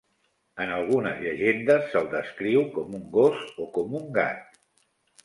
En algunes llegendes se'l descriu com un gos o com un gat.